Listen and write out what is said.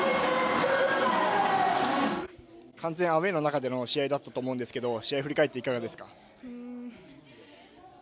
完全アウエーの中での試合だったと思いますが、試合、振り返ってどうですか？